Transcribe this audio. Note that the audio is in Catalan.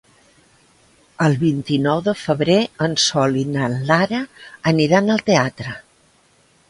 El vint-i-nou de febrer en Sol i na Lara aniran al teatre.